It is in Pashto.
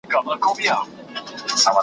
رب العالمين د ستونزو کيلي صبر ټاکلی دی.